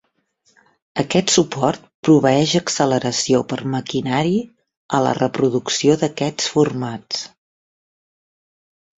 Aquest suport proveeix acceleració per maquinari a la reproducció d'aquests formats.